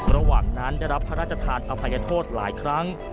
ระหว่างนั้นได้รับพระราชทานอภัยโทษหลายครั้ง